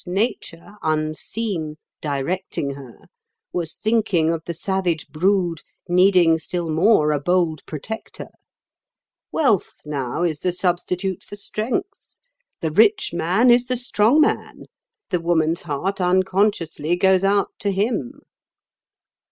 But Nature, unseen, directing her, was thinking of the savage brood needing still more a bold protector. Wealth now is the substitute for strength. The rich man is the strong man. The woman's heart unconsciously goes out to him."